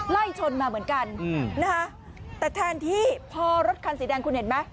ไล่ชนมาเหมือนกันนะคะแต่แทนที่พอรถคันสีแดงคุณเห็นไหม